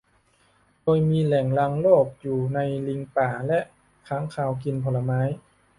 โดยมีแหล่งรังโรคอยู่ในลิงป่าและค้างคาวกินผลไม้